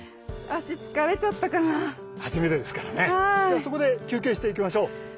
じゃあそこで休憩していきましょう。